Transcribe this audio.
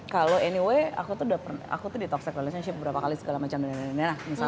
kalau anyway aku tuh di toxic relationship berapa kali segala macam dan dan dan dan